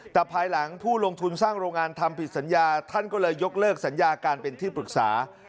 แต่ภายหลังผู้ลงทุนสร้างโรงงานทำผิดสัญญาท่านก็เลยยกเลิกสัญญาการเป็นที่ปรึกษา